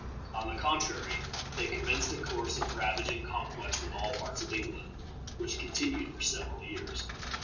On the contrary, they commenced a course of ravage and conquest in all parts of England, which continued for several years.